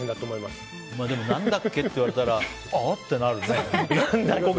でも何だっけって言われたらあ？ってなりますよね。